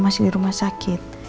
masih di rumah sakit